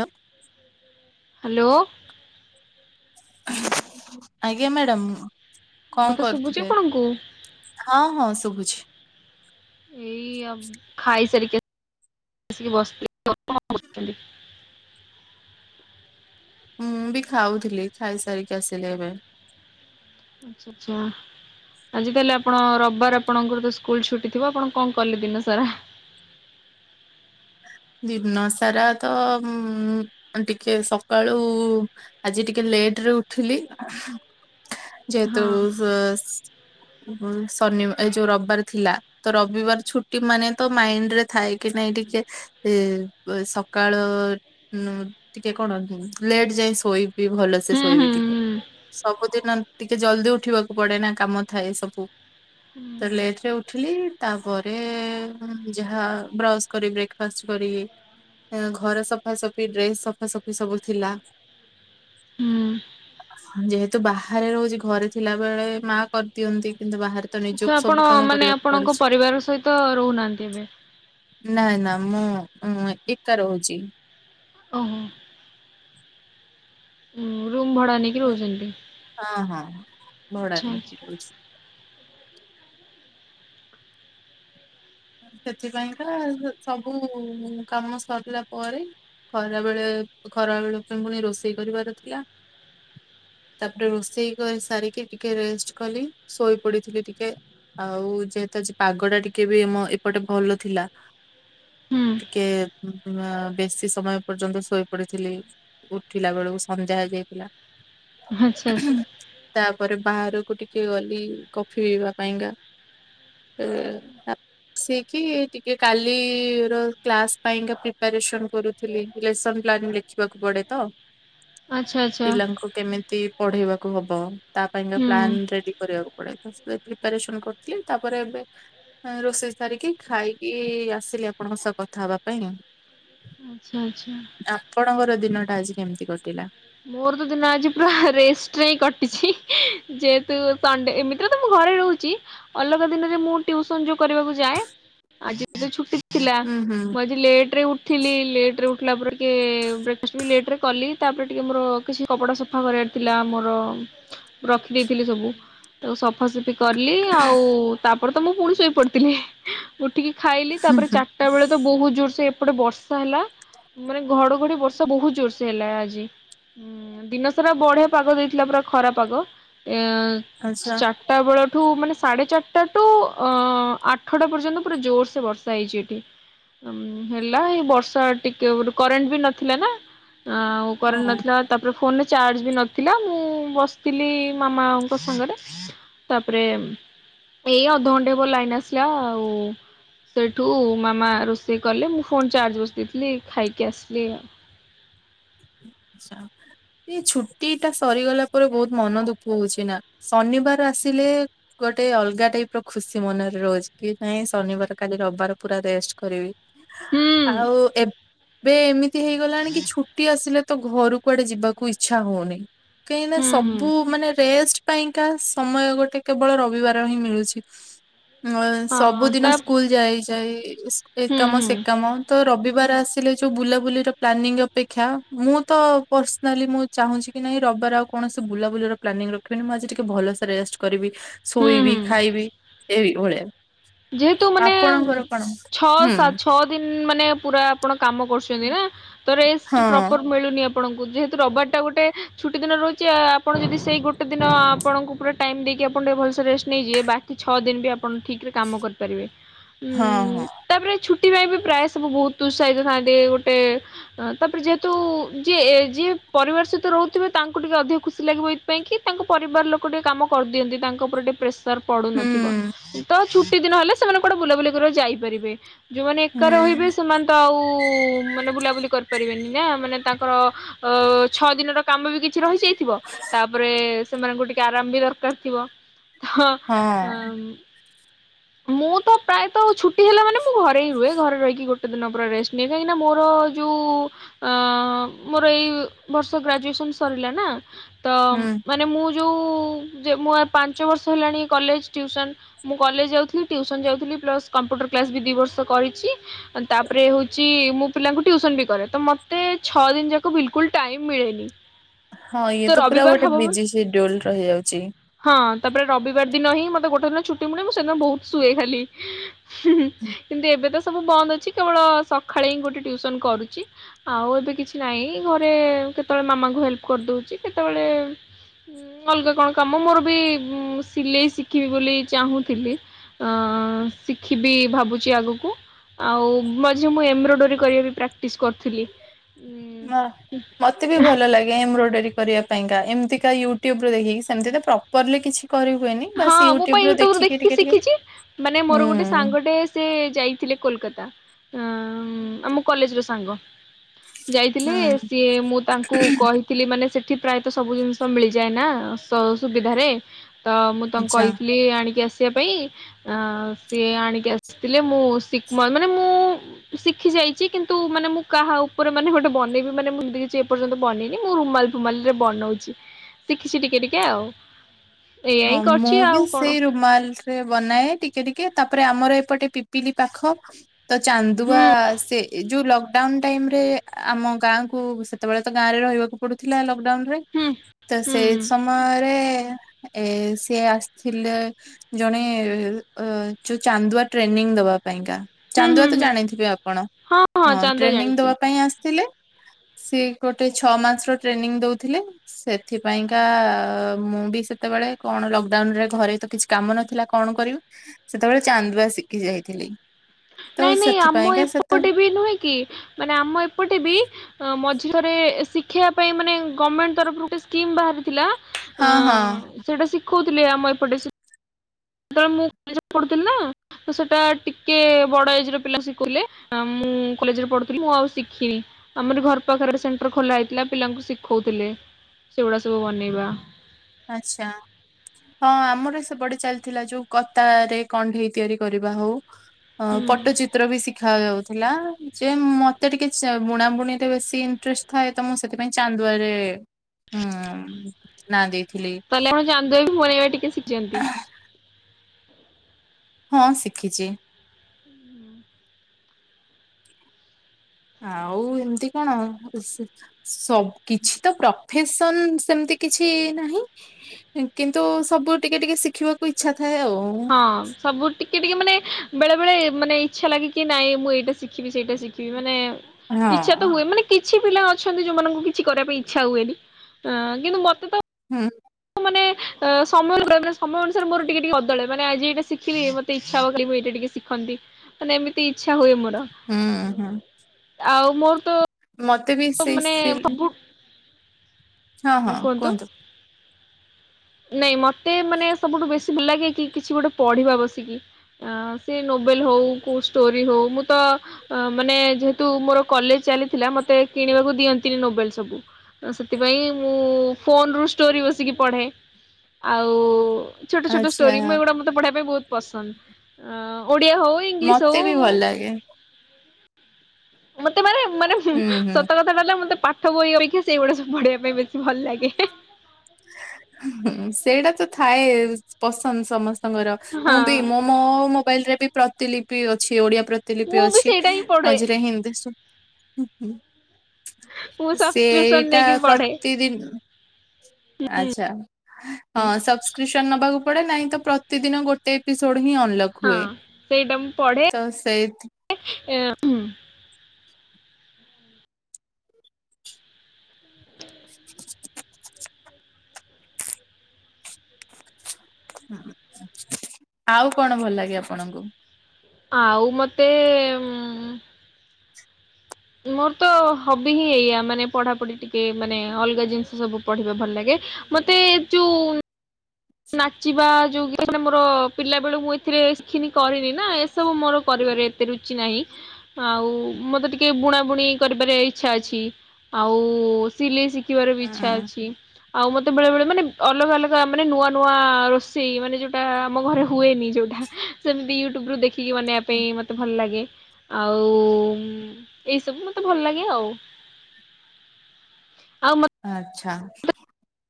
ଲୋ hello. ଆଜ୍ଞା madam. ମୋ କଣ କଥା ଶୁଭୁଛି କରୁଥିଲେ ଆପଣଙ୍କୁ? ହଁ ହଁ ଶୁଭୁଛି। ଏଇ ଅବ୍ ଖାଇ ସାରିକି ଆସିକି ବସିଥିଲି। ଆପଣ କଣ କରୁଛନ୍ତି? ମୁଁ ବି ଖାଉଥିଲି ଖାଇ ସାରିକି ଆସିଲି ଏବେ। ହୁଁ। ଆଜି କାଲି ଆପଣ ରବବାର ଆପଣଙ୍କର ତ ସ୍କୁଲ ଛୁଟି ଥିବ ଆପଣ କଣ କଲେ ଦିନ ସାରା? [inaudible] ଦିନ ସାରା ତ ମଁ ଟିକେ ସକାଳୁ ଆଜି ଟିକେ ଲେ ଲେଟ୍ ରେ ଉଠିଲି। ଯେହେତୁ ହଁ ଶନିିବା ଏ ଯୋଉ ରବିବାର ଥିଲା ତ ରବିବାର ଛୁଟି ମାନେ ତ ମାଇଣ୍ଡ ରେ ଥାଏ କି ନାଇଁ ଟିକେ ଇ ବ ସକାଳ ଉ ଟିକେ କଣ ଲେଟ୍ ଯାଏ ଶୋଇବି। ଭଲସେ ହୁଁ ଶୋଇବି ହୁଁ ଟିକେ। ସବୁଦିନ ଟିକେ ଜଲଦି ଉଠିବାକୁ ପଡେ ନା କାମ ଥାଏ ସବୁ। ହୁଁ ତ ଲେଟ୍ ରେ ଉଠିଲି ତାପରେ ଯାହା ବ୍ରସ୍ କରି ବ୍ରେକ ଫାଷ୍ଟ କରିକି ଏଁ ଘର ସଫାସଫି ଡ୍ରେସ ସଫାସଫି ସବୁ ଥିଲା ହୁଁ। ଯେହେତୁ ବାହାରେ ରହୁଛି ଘରେ ଥିଲା ବେଳେ ମା କରିଦିଅନ୍ତି। କିନ୍ତୁ ବାହାରେ ତ ଆଚ୍ଛା ନିଜକୁ ଆପଣ ସବୁ କାମ ମାନେ କରିବାକୁ ଆପଣଙ୍କ ପଡୁଛି। ପରିବାର ସହିତ ରହୁନାହାନ୍ତି ଏବେ? ନାଇ ନା ମୁଁ ଏକା ରହୁଛି। ଓହୋ ରୁମ୍ ଭଡା ନେଇକି ରହୁଛନ୍ତି ହଁ ହଁ ଭଡ଼ା ଆଚ୍ଛା ଆଚ୍ଛା। ନେଇକି ରହୁଛି। ସେଥିପାଇଁକା ସବୁ କାମ ସରିଲା ପରେ ଖରା ବେଳେ ଖରା ବେଳକୁ ପୁଣି ରୋଷେଇ କରିବାର ଥିଲା। ତାପରେ ରୋଷେଇ କରି ସାରିକି ଟିକେ ରେଷ୍ଟ୍ କଲି ଶୋଇ ପଡିଥିଲି ଟିକେ। ଆଉ ଯେହେତୁ ଆଜି ପାଗ ଟା ଟିକେ ବି ମ ଏପଟେ ଭଲ ଥିଲା ହୁଁ। ଟିକେ ଉଁ ଉ ବେଶୀ ସମୟ ପର୍ଯ୍ୟନ୍ତ ଶୋଇ ପଡିଥିଲି ଉଠିଲା ବେଳକୁ ସନ୍ଧ୍ୟା ହେ ହେଇଥିଲା। ଆଛା ଆଚ୍ଛା। ପରେ ବାହାରକୁ ଟିକେ ଗଲି କଫି ପିଇବା ପାଇଁକା ଏ ସିଏ କି ଟିକେ କାଲି ର କ୍ଲାସ ପାଇଁ କା ପ୍ରିପାରେସନ କରୁଥିଲି ଲେସ୍ ପ୍ଲାନ ଲେଖିବାକୁ ପଡେ ତ ଆଚ୍ଛା ଆଚ୍ଛା ପିଲାଙ୍କୁ କେମିତି ପଢେଇବାକୁ ହବ ତା ପାଇଁକା ପ୍ଲାନ୍ ହୁଁ ରେଡି କରିବାକୁ ପଡେ। ତ ସେଥିପାଇଁ ପ୍ରିପାରେସନ କରୁଥିଲି ତାପରେ ଏ ରୋଷେଇ ସାରିକି ଖାଇକି ଆସିଲି ଆପଣଙ୍କ ସହ କଥା ହବା ପାଇଁ। ଆଚ୍ଛା ଆଚ୍ଛା। ଆପଣଙ୍କର ଦିନଟା ଆଜି କେମତି କଟିଲା? ମୋର ତ ଦିନ ଆଜି ପୁରା ରେଷ୍ଟରେ ହିଁ କଟିଛି। ଯେହେତୁ ସଣ୍ଡେ ଏମିତିରେ ତ ମୁଁ ଘ ରେ ରହୁଛି ଅଲଗା ଦିନରେ ମୁଁ ଟିଉସନ ଯୋଉ କରିବାକୁ ଯାଏ। ଆଜି ଛୁଟି ଥିଲା ହୁଁ ହୁଁ ମୁଁ ଆଜି ଲେଟ ରେ ଉଠିଲି ଲେଟରେ ଉ ଠିଲା ପରେ ଟିକେ ବ୍ରେକଫାଷ୍ଟ ଲେଟରେ କଲି ତାପରେ ଟିକେ ମୋର କିଛି କପଡା ସଫା କରିବାର ଥିଲା ମୋର ରଖିଦେଇଥିଲି ସବୁ ତାକୁ ସଫାସଫି କଲି ଆଉ ତାପରେ ତ ମୁଁ ପୁଣି ଶୋଇପଡିଥିଲି। ଉ ଟିକେ ଖାଇଲି ହୁଁ ତାପରେ ହୁଁ ଚାରଟା ବେଳେ ତ ବହୁତ ଜୋର୍ ସେ ଏପଟେ ବର୍ଷା ହେଲା ମାନେ ଘଡଘଡି ବର୍ଷା ବହୁତ ଜୋରସେ ହେଲା ଆଜି ହୁଁ ଦିନ ସାରା ବଢିଆ ପାଗ ଦେଇଥିଲା ପୁରା ଖରା ପାଗ। ଏଁ ଆଚ୍ଛା ଚାରଟା ବେଳ ଠୁ ମାନେ ସାଢେ ଚାରଟାଟୁ ଅ ଆଠଟା ପର୍ଯ୍ୟନ୍ତ ପୁରା ଜୋର ସେ ବର୍ଷା ହେଇଛି ଏଠି। ଅମ ହେଲା ଏଇ ବର୍ଷା ଟିକେ କରେଣ୍ଟ ବି ନଥିଲା ନା ଆଉ କରେଣ୍ଟ ହଁ ନଥି ତାପରେ ଫୋନରେ ଚାର୍ଜ ବି ନଥିଲା ମୁଁ ବସିଥିଲି ମାମା ଙ୍କ ସାଙ୍ଗରେ ତାପରେ ଏଇ ଅଧଘଣ୍ଟେ ହବ ଲାଇନ୍ ଆସିଲା ଆଉ। ସେଇଠୁ ମାମା ରୋଷେଇ କଲେ ମୁଁ ଫୋନ୍ ଚାର୍ଜ ବସେଇ ଦେଇଥିଲି ଖାଇକି ଆସିଲି ଆଉ। [inaudible] ଆଛା ଏଇ ଛୁଟି ଟା ସରିଗଲା ପରେ ବହୁତ ମନ ଦୁଃଖ ହଉଛି ନା ଶନିବାର ଆସିଲେ ଗୋଟେ ଅଲଗା ଟାଇପ୍ ର ଖୁସି ମନରେ ରହୁଛି କି ନାଇଁ ଶନିବାର କାଲି ରବିବାର ପୁରା ରେ ଷ୍ଟ କରିବି, ହୁଁ ଆଉ ଏବେ ଏମିତି ହେଇଗଲାଣିକି ଛୁଟି ଆସିଲେ ତ ଘରୁ କୁୁଆଡେ ଯିବାକୁ ଇଚ୍ଛା ହଉନି। କାହିଁକିନା ହୁଁ ହୁଁ ସବୁ ମାନେ ରେଷ୍ଟ ପାଇଁକା ସମୟ ଗୋଟେ କେବଳ ରବିବାର ହିଁ ମିଳୁଛି। ଆଁ ହଁ ସବୁଦିନ ତା ସ୍କୁଲ ଯାଇ ଯାଇ ଏ ହୁଁ କାମ ହୁଁ ସେ କାମ ତ ରବି ବିବାର ଆସିଲେ ଯୋଉ ବୁଲାବୁଲିର ପ୍ଲାନିଂ ଅପେକ୍ଷା ମୁଁ ତ ପର୍ସନାଲି ମୁଁ ଚାହୁଁଛି କି, ନାହିଁ ରବିବାର ଆଉ କୌଣସି ବୁଲାବୁଲିର ପ୍ଲାନିଂ ରଖିବିନି। ମୁଁ ଆଜି ଟିକେ ଭଲ ସେ ରେଷ୍ଟ କରିବି, ହୁଁ ଶୋଇବି, ହୁଁ ଖାଇବି ଏଇ ଭଳିଆ। ଯେହେତୁ ମାନେ ଆପଣଙ୍କର କଣ? ଛଅ ହୁଁ ସା ଛଅ ଦିନ ମାନେ ପୁରା ଆପଣ କାମ କରୁଛନ୍ତି ନା ତ ରେଷ୍ଟ୍ ହଁ ପ୍ରପର ମିଳୁନି ଆ ଆପଣଙ୍କୁ, ଯେହେତୁ ରବିବାର ଟା ଗୋଟେ ଛୁଟି ଦିନ ରହୁଛି! ଆ ଆପଣ ଯଦି ସେଇ ଗୋଟେ ଦିନ ଆପଣଙ୍କୁ ପୁରା ଟାଇମ ଦେଇକି କି ଆପଣ ଟିକେ ଭଲସେ ରେଷ୍ଟ ନେଇଯିବେ। ବାକି ଛଅ ଦିନ ବି ଆପଣ ଠିକରେ କାମ କରିପାରିବେ। ହଁ ଉ-ଉ-ଉ ହଁ ତାପରେ ଛୁ ସେଥିପାଇଁ ବି ପ୍ରାୟ ସବୁ ବହୁତ ଉତ୍ସାହିତ ଥାନ୍ତି ଗୋଟେ ତାପରେ ଯେହେତୁ ଯିଏ ଏଯେ ପରିବାର ସହିତ ରହୁଥିବେ। ତାଙ୍କୁ ଟିକେ ଅଧିକ ଖୁସି ଲାଗିବ ଏଇଥିପାଇଁ କି ତାଙ୍କ ପରିବାର ଲୋକ ଟିକେ କାମ କରିଦିଅନ୍ତି ତାଙ୍କ ଉପରେ ଟିକେ ପ୍ରେସର ତର୍ ପଢୁନଥିବ। ହୁଁ। ତ ଛୁଟି ଦିନ ହେଲେ ସେମାନେ କୁଆଡ଼େ ବୁଲାବୁଲି କରିବାକୁ ଯାଇପାରିବେ। ଯୋଉମାନେ ଏକା ରହିବେ ହୁଁ ସେମାନେ ତ ଆଉ-ଉ-ଉ କୁ ମାନେ ବୁଲାବୁଲି କରିପାରିବେନି ନା, ମାନେ ତାଙ୍କର ଅ ଛଅ ଦିନର କାମ ବି କିଛି ରହିଯାଇ ଥିବ, ତାପରେ ସେମାନଙ୍କୁ ଟିକେ ଆରାମ ବି ଦରକାର ଥିବ। ହଁ ଆ ହଁ ମୁଁ ତ ପ୍ରାୟତ ଛୁଟି ହେଲା ମାନେ ମୁଁ ଘରେ ହି ରୁହେ। ଘରେ ରହିକି ଗୋଟେ ଦିନ ପୁରା ରେଷ୍ଟ ନିଏ। କାହିଁକି ନା ମୋର ର ଯୋଉ-ଉ-ଉ ଆ-ଆ-ଆ ମୋର ଏଇ ବର୍ଷ ଗ୍ରାଜୁଏସନ ସରିଲା ନା ତ ହୁଁ ମାନେ ମୁଁ ଯୋଉ ଯେ ମୁଁ ପାଞ୍ଚ ବର୍ଷ ହେଲାଣି କଲେଜ ଟିଉସନ, ମୁଁ କଲେଜ ଯାଉ ଥିଲି ଟିଉସନ୍ ଯାଉଥିଲି ପ୍ଲସ୍ କମ୍ପୁଟର କ୍ଲାସ୍ ବି ଦି ବର୍ଷ କରିଚି। ତାପରେ ହଉଛି ମୁଁ ପିଲାଙ୍କୁ ଟି ଟିଉସନ୍ ବି କରେ, ତ ମୋତେ ଛଅ ଦିନ ଯାକ ବିଲକୁଲ ଟାଇମ୍ ମିଳେନି। ହଁ ଇଏ ତ ପୁରା ରବିବାର ଗୋଟେ ହବ ବିଜି ସେଡ୍ୟୁଲ ରହିଯାଉଛି। ହଁ ତାପରେ ରବିବାର ଦିନ ହିଁ ମତେ ଗୋଟ ଦିନ ଛୁଟି ମିଳେ, ମୁଁ ସେଦିନ ବହୁତ ଶୁଏ ଖାଲି। ହିଁ ହିଁ କିନ୍ତୁ ଏବେ ତ ସବୁ ବନ୍ଦ ଅଛି। କେବଳ ସକାଳେ ହିଁ ଗୋଟେ ଟିଉସନ କରୁଛି। ଆଉ ଏବେ କିଛି ନାହିଁ ଘରେ-ଏ-ଏ କେତେବେଳେ ମାମାଙ୍କୁ ହେଲ୍ପ କରିଦଉଛି। କେତେବେଳେ ଉଁ ଅଲଗା କଣ କାମ, ମୋର ବି ସିଲେଇ ଶିଖିବି ବୋଲି ଚାହୁଁଥିଲି। ଆଁ-ଆ-ଆ-ଆ ଶିଖିବି ଭାବୁଛି ଆଗକୁ। ଆଉ ମଝି ମୁଁ ଏମ୍ବ୍ରୋଡରୀ କରିବା ବି ପ୍ରାକ୍ଟିସ କରୁଥିଲି। ହ ମତେ ବି ଭଲ ଲାଗେ ଏମ୍ବ୍ରୋଡରୀ କରିବା ପାଇଁକା ଏମିତିକା ୟୁଟ୍ୟୁବରେ ଦେଖିକି, ସେମତି ତ ପ୍ରପରଲି କିଛି କରି ହୁଏନି, ହଁ ବାସ୍ ମୁଁ ପା ୟୁଟ୍ୟୁବରେ ୟୁଟ୍ୟୁବରୁ ଦେଖିକି ଟିକେ ଟିକେ। ଶିଖିଛି। ମାନେ ହୁଁ ମୋର ଗୋଟେ ସାଙ୍ଗଟେ ସେ ଯାଇଥିଲେ କୋଲକାତା। ହ-ଅ-ଅ-ଅ ଆମ କଲେଜ ର ସାଙ୍ଗ। ଯାଇଥିଲେ, ହୁଁ। ସିଏ ମୁଁ ତାଙ୍କୁ କହିଥିଲି ମାନେ ସେଠି ପ୍ରାୟତଃ ସବୁ ଜିନିଷ ମିଳିଯାଏ ନା ସ ସୁବିଧାରେ। ତ ମୁଁ ତାଙ୍କୁ ଆଚ୍ଛା କହିଥିଲି ଆଣିକି ଆସ ଇବା ପାଇଁ, ଆ ସିଏ ଆଣିକି ଆସିଥିଲେ ମୁଁ ଶିକମ ମାନେ ମୁଁ-ଉ-ଉ ଶିଖି ଯାଇଛି, କିନ୍ତୁ ମାନେ ମୁଁ କାହା ଉପରେ ମାନେ ଗୋଟେ ବନେଇବି ମାନେ ମୁ ତ କିଛି ଏପର୍ଯ୍ୟନ୍ତ ବନେଇନି। ମୁ ମାନେ ରୁମାଲ ରେ ବନଉଛି ଶିଖିଛି ଟିକେ ଟିକେ ଆଉ। ଏଇଆ ହଁ ହିଁ ମୁଁ କରିଛି ବି ଆଉ କଣ ସେଇ ରୁମାଲରେ ବନାଏ ଟିକେ ଟିକେ ତାପରେ ଆମର ଏପଟେ ପିପିଲି ପାଖ। ତ ଚାନ୍ଦୁଆ ହୁଁ ସେ ଯୋଉ ଲଗ ଲଗଡଉନ ଟାଇମରେ ଆମ ଗାଁକୁ ସେତେବେଳେ ତ ଗାଁରେ ରହିବାକୁ ପଡୁ ଥିଲା। ଲଡାଉନରେ ହୁଁ ତ ହୁଁ ସେଇ ସମୟରେ ଏ ସି ଆସିଥିଲେ ଜଣେ ଯୋଉ ଚାନ୍ଦୁଆ ଟ୍ରେନିଂ ଦବା ହୁଁ ଚାନ୍ଦୁଆ ହୁଁ ତ ହୁଁ ଜାଣିଥିବେ ଆପଣ ହଁ ଟ୍ରେନିଂ ଦବା ପାଇଁ ଆସିଥିଲେ। [inaudible] ସିଏ ଗୋଟେ ଛଅ ମାସର ଟ୍ରେନିଂ ଦେଉଥିଲେ ସେଥିପାଇଁକା ମୁଁ ବି ସେ ସେତେବେଳେ କଣ ଲକଡାଉନ ରେ ଘରେ ତ କିଛି କାମ ନଥିଲା କଣ କରିବ ସେତେବେଳେ ଚାନ୍ଦୁଆ ଶିଖି ଯାଇଥିଲି। ତ ନାଇଁ ନାଇଁ ଆମ ସେଥିପାଇଁକା ସେତେ ଏପଟେ ବି ନୁହେଁ କି ମାନେ ଆମ ଏପଟେ ବି ହିଁ। ଥରେ ଶିକହିବା ପାଇଁ ମାନେ ଗମେଣ୍ଟ ତରଫରୁ ଗୋଟେ ସ୍କିମ୍ ବାହାରିଥିଲା। ଅ ହଁ ହଁ ସେଇଟା ଶିଖଉଥିଲେ ଆମ ଏପଟେ। ସେତେ ବେଳେ ମୁଁ ପଢୁଥିଲି ନା ତ ସେଟା ଟିକେ ବଡ ଏଜ ର ପିଲା ଶିଖୁଥିଲେ। ମୁଁ କଲେରେ ପଢୁଥିଲି ମୁଁ ଆଉ ଶିଖିନି ଆମର ଘର ପାଖରେ ସେଣ୍ଟର ଖୋଲା ହେଇଥିଲା ପିଲାଙ୍କୁ ଶିଖାଉ ଥିଲେ। ସେଗୁଡା ସବୁ ବନେଇବା। ଆଚ୍ଛା। ହଁ ଆମର ସେପଟେ ଚାଲିଥିଲା ଯୋଉ କତା ରେ କଣ୍ଢେଇ ତିଆରି କରିବା ହଉ। ଅ ହୁଁ ପଟ୍ଟଚିତ୍ର ବି ଶିଖା ଯାଉଛି। ଥିଲା ଯେ ମତେ ଟିକେ ବୁଣା ବୁଣି ରେ ବେଶୀ ଇଣ୍ଟରେଷ୍ଟ ଥାଏ ତ ମୁଁ ସେଥିପାଇଁ ଚାନ୍ଦୁଆରେ ହୁଁ ନା ଦେଇ ତାହେଲେ ଆପଣ ଚାନ୍ଦୁଆ ବି ବନେଇବା ଟିକେ ଶିଖିଛନ୍ତି? ହଁ ଶିଖିଛି। ଆଉ ଏମିତି କଣ କିଛି ତ ପ୍ରଫେସନ ସେମତି କିଛି ନାହିଁ କିନ୍ତୁ ସବୁ ଟିକେ ଟିକେ ଶିଖିବାକୁ ଇଚ୍ଛା ଥାଏ ଆଉ ହଁ ସବୁ ଟିକେ ଟିକେ ମାନେ ବେଳେ ବଳେ ମାନେ ଇଚ୍ଛା ଲାଗେ କି ନାଇଁ ମୁଁ ଏଇଟା ଶିଖିବି ସେଇଟା ଶିଖିବି ମାନେ ଇଚ୍ଛା ହଁ ତ ହୁଏ ମାନେ କି କିଛି ପିଲା ଅଛନ୍ତି ଯୋଉମାନଙ୍କୁ କିଛି କରିବା ପାଇଁ ଇଚ୍ଛା ହୁଏନି କିନ୍ତୁ ମତେ ତ ହୁଁ ମାନେ ସମୟେ ସମୟ ଅନୁସାରେ ରେ ମୋର ଟିକେ ଟିକେ ବଦଳେ ମାନେ ଆଜି ଏଇଟା ଶିଖିଲି ମୋତେ ଇଛା ହବ କଲି ମୁଁ ଏଇଟା ଟିକେ ଶିଖନ୍ତି ମାନେ ଏମିତି ଇଚ୍ଛା ହୁଏ ମୋର ହୁଁ ହୁଁ ଆଉ ମୋର ତ ମତେ ବି ତ ସେଇ ମାନେ ସିଲ ହୋବୁ। ହଁ ହଁ କୁହନ୍ତୁ? ନାଇଁ ମତେ ମାନେ ସବୁଠୁ ବେଶୀ ଭଲ ଲାଗେ କି କିଛି ଗୋଟେ ପଢିବା ବସିକି। ସେ ନୋଭେଲ ହଉ କୋଉ ଷ୍ଟୋରି ହଉ ମୁଁ ତ ମାନେ ଯେହେତୁ ମୋର କଲେଜ ଚାଲିଥିଲା ମତେ କିଣିବାକୁ ଦିଅନ୍ତିନି ନୋବେଲ ସବୁ। ସେଥିପାଇଁ ମୁଁ ଫୋନ ରୁ ଷ୍ଟୋରି ବସିକି ପଢେ। ଆଉ ଛୋଟ ଛୋଟ ଆଚ୍ଛା ଷ୍ଟୋରି ମୁ ଏଗୁଡା ମତେ ପଢିବା ପାଇଁ ବହୁତ ପସନ୍ଦ ଅ ଓଡିଆ ହଉ ଇଂଲିସି ମତେ ବି ହଉ। ଭଲ ଲାଗେ ମତେ ମାନେ ମାନେ ହୁଁ ହୁଁ ସତ କଥା ହେଲା ମତେ ପାଠ ବହି ଅପେକ୍ଷା ସେଇଗୁଡା ସବୁ ପଢ଼ିବା ପାଇଁ ବେଶୀ ଭଲ ଲାଗେ। ସେଇଟା ତ ଥାଏ ପସନ୍ଦ ସମସ୍ତେ ଙ୍କର ହଁ ମୁଁ ବି ମୁୋ ମୋ ମୋବାଇଲ ରେ ବି ପ୍ରତିଲିିପି ଅଛି ଓଡିଆ ପ୍ରତିଲିିପି ମୁଁ ବି ଅଛି ସେଇଟା ହିଁ ପଢେ ମଝିରେ ହିଦି। ମୁଁ ସବସ୍କ୍ରିପସନ ସେଇଟା ନେଇକି ପଢେ ପ୍ରତିଦିନ ଆଛା ହଁ ସବସ୍କ୍ରିପସନ ନବାକୁ ପଡେ ନାଇଁ ତ ପ୍ରତିଦିନ ଗୋଟେ ଲୋଡ ହିଁ ଅନଲକ୍ ହଁ ହୁଏ ସେଇଟା ତ ସେ ଏ ହୁଁ। [unintelligible] ଆଉ କଣ ଭଲ ଲାଗେ ଆପଣଙ୍କୁ? ଆଉ ମତେ ହୁଁ ମୋର ତ ହବି ହିଁ ଏଇଆ ମାନେ ପଢାପଢି ଟିକେ ମାନେ ଅଲଗା ଜିନିଷ ସବୁ ପଢିବେ ଭଲ ଲାଗେ। ମତେ ଯୋଉ ନାଚିବା ଯୋଉାନ ମୋର ପିଲା ବେଳୁ ମୁଁ ଏଥିରେ କରିନି ନା ଏସବୁ ମୋର କରିବ ମୋରେ ଏତେ ରୁଚି ନାହିଁ ଆଉ ମତେ ଟିକେ ବୁଣା ବୁଣି କରିବାରେ ଇଛା ଅଛି। ଆଉ ସିଲେଇ ଶିଖିବାର ବି ଇଚ୍ଛା ଉଁ, ଅଛି ଆଉ ମତେ ବେଳେ ବେଳେ ମାନେ ଅଲଗା ଅଲଗା ମାନେ ନୂଆ ନୂ ନୂଆ ରୋଷେଇ ମାନେ ଯୋଉଟା ଆମ ଘରେ ହୁଏନି ଯୋଉଟା ସେମିତି ୟୁଟ୍ୟୁବରୁ ଦେଖି ଦେଖିକି ବନେଇବା ମାନେ ପାଇଁ ମତେ ଭଲ ଲାଗେ। ଆଉ ଏଇସବୁ ମତେ ଭଲ ଲାଗେ ଆଉ। ସ ସ ଆଚ୍ଛା।